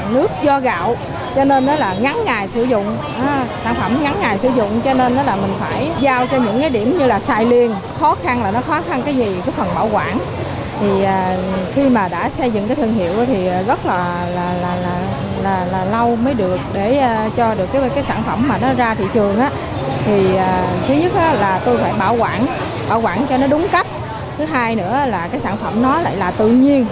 nó đúng cách thứ hai nữa là cái sản phẩm nó lại là tự nhiên